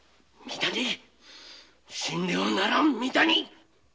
死んではならん三谷！